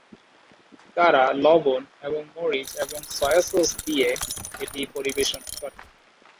তারা লবণ এবং মরিচ এবং সয়া সস দিয়ে এটি পরিবেশন করে।